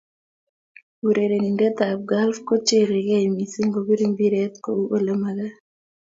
Urerenindetab golf kocherekeei mising kobir mpireet kou ole makaat